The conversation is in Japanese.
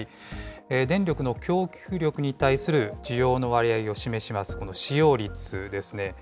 電力の供給力に対する需要の割合を示します、この使用率ですね。